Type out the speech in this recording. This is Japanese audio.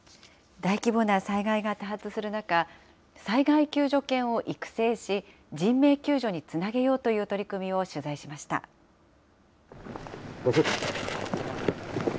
大規模な災害が多発する中、災害救助犬を育成し、人命救助につなげようという取り組みを取材しました。